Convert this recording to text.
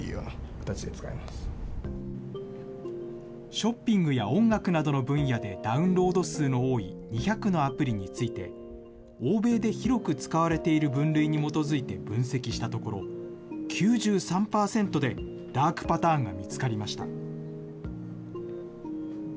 ショッピングや音楽などの分野でダウンロード数の多い２００のアプリについて、欧米で広く使われている分類に基づいて分析したところ、９３％でダークパターンが見つかりました。